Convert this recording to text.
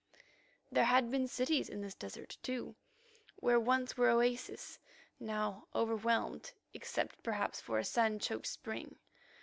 There had been cities in this desert, too, where once were oases, now overwhelmed, except perhaps for a sand choked spring.